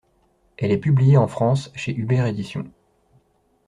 Elle est publiée en France chez Huber Editions.